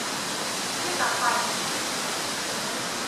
一旦法院判決